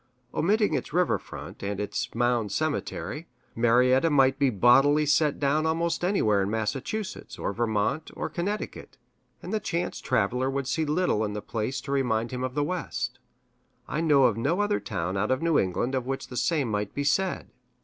Omitting its river front, and its Mound Cemetery, Marietta might be set bodily down almost anywhere in Massachusetts, or Vermont, or Connecticut, and the chance traveler would see little in the place to remind him of the West. I know of no other town out of New England of which the same might be said.